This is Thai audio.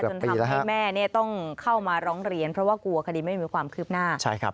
จนทำให้แม่ต้องเข้ามาร้องเรียนเพราะว่ากลัวคดีไม่มีความคืบหน้า